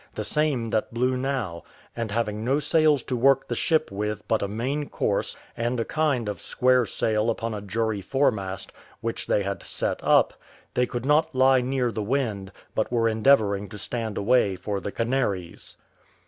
the same that blew now: and having no sails to work the ship with but a main course, and a kind of square sail upon a jury fore mast, which they had set up, they could not lie near the wind, but were endeavouring to stand away for the Canaries.